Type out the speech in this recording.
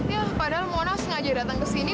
ya padahal mono sengaja datang ke sini